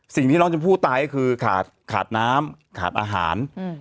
สิ่งที่น้องชมพู่ตายก็คือขาดขาดน้ำขาดอาหาร